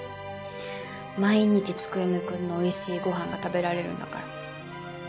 毎日月読くんのおいしいご飯が食べられるんだから。